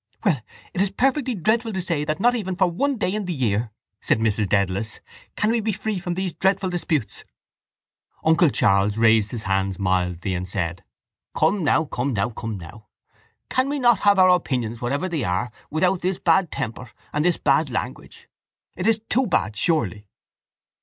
—Well, it is perfectly dreadful to say that not even for one day in the year, said Mrs Dedalus, can we be free from these dreadful disputes! Uncle Charles raised his hands mildly and said: —Come now, come now, come now! Can we not have our opinions whatever they are without this bad temper and this bad language? It is too bad surely.